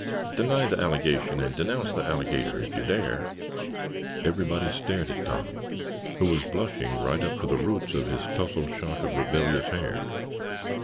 Deny the allegation and denounce the alligator, if you dare!" Everybody stared at Tom, who was blushing right up to the roots of his towsled shock of rebellious hair.